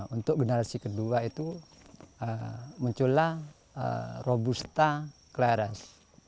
untuk generasi kedua itu muncullah robusta clarence